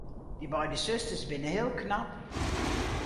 Dy beide susters binne heel knap.